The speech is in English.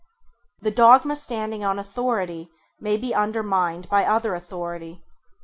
The dogma standing on authority may be undermined by other authority.